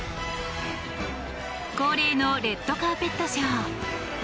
恒例のレッドカーペットショー。